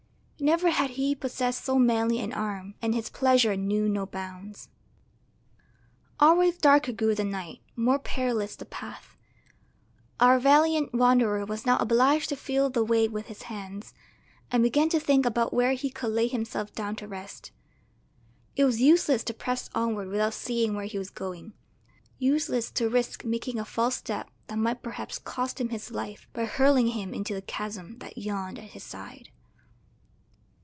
Never had he possessed so manly an arm, and his pleasure knew no bounds. Always darker grew the night, more perilous the path. Our valiant wanderer was now obliged to feel the way with his hands, and began to think about where he could lay himself down to rest. It was useless to press onward without seeing where he was going useless to risk making a false step that might perhaps cost him his life by hurling him into the chasm that yawned at his side.